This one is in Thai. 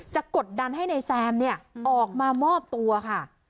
กดดันให้นายแซมเนี่ยออกมามอบตัวค่ะ